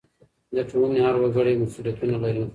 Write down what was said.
د ټولنې هر وګړی مسؤلیتونه لري.